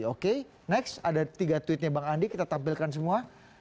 oke next ada tiga tweetnya bang andi kita tampilkan semua